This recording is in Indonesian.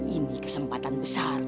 ini kesempatan besar